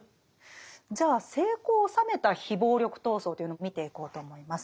じゃあ成功を収めた非暴力闘争というのを見ていこうと思います。